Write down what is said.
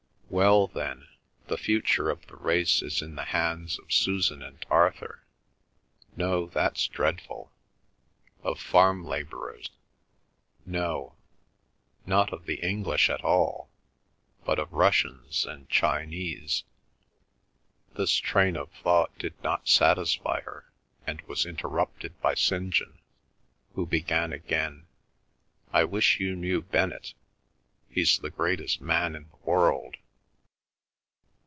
Well, then, the future of the race is in the hands of Susan and Arthur; no—that's dreadful. Of farm labourers; no—not of the English at all, but of Russians and Chinese." This train of thought did not satisfy her, and was interrupted by St. John, who began again: "I wish you knew Bennett. He's the greatest man in the world."